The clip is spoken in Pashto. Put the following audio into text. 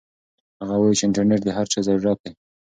هغه وایي چې انټرنيټ د هر چا ضرورت دی.